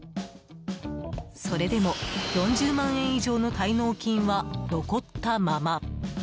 それでも４０万円以上の滞納金は残ったまま。